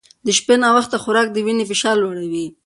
د شپې ناوخته خوراک د وینې فشار لوړوي.